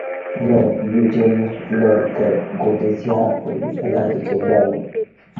له یوډین نه تر ګورېزیا پورې په لارۍ کې ولاړم.